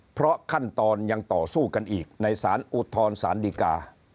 เพราะขั้นตอนยังต่อสู้กันอีกในสารอุทธรสารดีกา